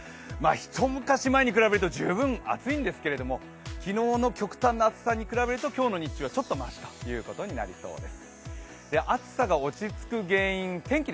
ひと昔前に比べると十分暑いんですけれども昨日の極端な暑さに比べると今日の日中はちょっとましということになりそうです。